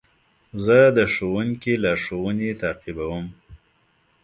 زه د ښوونکي لارښوونې تعقیبوم.